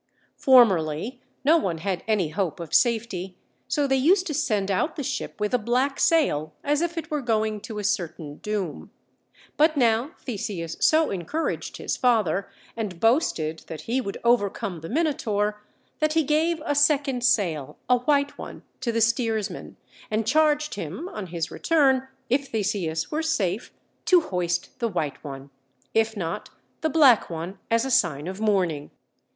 Formerly, no one had any hope of safety; so they used to send out the ship with a black sail, as if it were going to a certain doom; but now Theseus so encouraged his father, and boasted that he would overcome the Minotaur, that he gave a second sail, a white one, to the steersman, and charged him on his return, if Theseus were safe, to hoist the white one, if not, the black one as a sign of mourning.